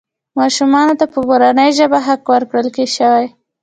ماشومانو ته په مورنۍ ژبه حق ورکړل شوی.